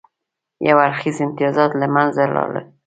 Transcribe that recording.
یو اړخیز امتیازات له منځه لاړل.